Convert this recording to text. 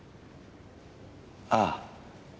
ああ。